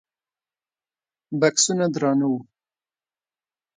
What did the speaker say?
بکسونه درانه وو.